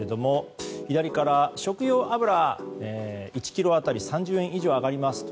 食用油は１ｋｇ当たり３０円以上上がりますと。